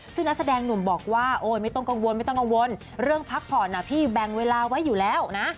ซึ่งนักแสดงหนุ่มบอกว่าไม่ต้องกังวลเรื่องพักผ่อนพี่แบ่งเวลาไว้อยู่แล้วนะ